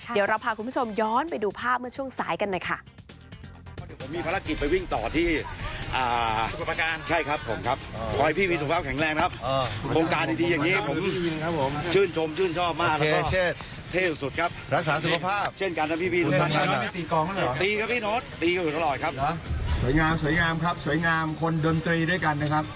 เดี๋ยวเราพาคุณผู้ชมย้อนไปดูภาพเมื่อช่วงสายกันหน่อยค่ะ